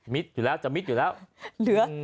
มิดอยู่แล้วจะมิดอยู่แล้ว